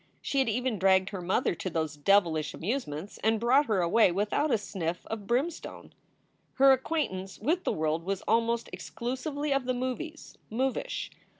She had even dragged her mother to those devilish amusements and brought her away without a sniff of brim stone. Her acquaintance with the world was almost exclusively of the movies, movish.